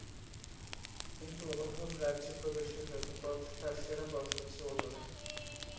কিন্তু অনুভব-রাজ্যে প্রবেশের যত পথ, তার সেরা পথ হচ্ছে অনুরাগ।